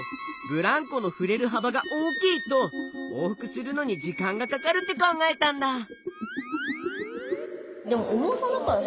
ブランコのふれる幅が大きいと往復するのに時間がかかるって考えたんだ。